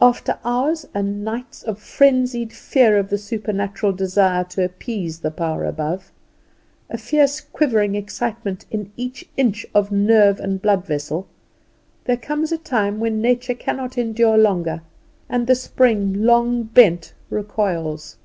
After hours and nights of frenzied fear of the supernatural desire to appease the power above, a fierce quivering excitement in every inch of nerve and blood vessel, there comes a time when nature cannot endure longer, and the spring long bent recoils.